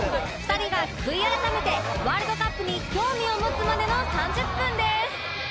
２人が悔い改めてワールドカップに興味を持つまでの３０分です